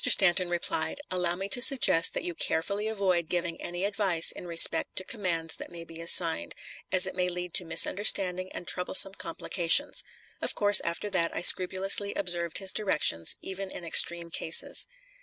Stanton replied: "Allow me to suggest that you carefully avoid giving any advice in respect to commands that may be assigned, as it may lead to misunderstanding and troublesome complications." Of course, after that I scrupulously observed his directions, even in extreme cases.